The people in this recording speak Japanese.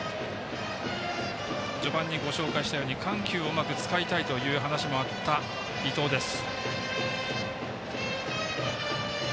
序盤にご紹介したように緩急をうまく使いたいという話もあった、伊藤です。